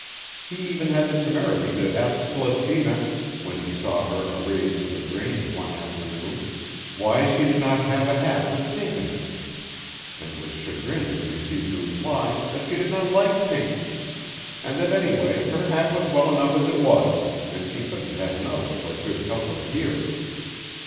He even had the temerity to ask Celestina when he saw her arrayed for the grange one afternoon why she did not have a hat with pink in it and was chagrined to receive the reply that she did not like pink; and that anyway her hat was well enough as it was, and she shouldn't have another for a good couple of years.